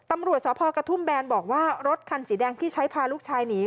ตำรวจสพกระทุ่มแบนบอกว่ารถคันสีแดงที่ใช้พาลูกชายหนี